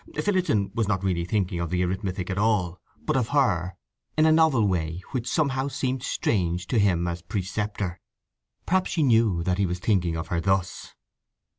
Phillotson was not really thinking of the arithmetic at all, but of her, in a novel way which somehow seemed strange to him as preceptor. Perhaps she knew that he was thinking of her thus.